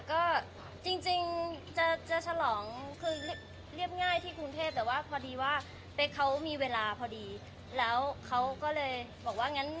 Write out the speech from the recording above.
ค่ะจริงจะหลองเรียบง่ายที่กรุงเทพฯแต่เขาพอได้เวลาพอเดียว